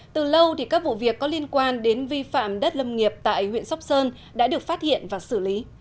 từ lâu thì các vụ việc có liên quan đến vi phạm đất nông nghiệp tại huyện sốc sơn đã được phát hiện và xử lý